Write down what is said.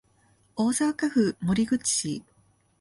大阪府守口市